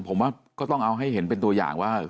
ผมว่าก็ต้องเอาให้เห็นเป็นตัวอย่างว่า